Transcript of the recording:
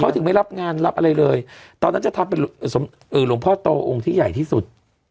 เขาถึงไม่รับงานรับอะไรเลยตอนนั้นจะทำเป็นหลวงพ่อโตองค์ที่ใหญ่ที่สุด